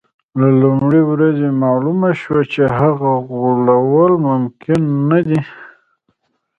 له لومړۍ ورځې معلومه شوه چې هغه غولول ممکن نه دي.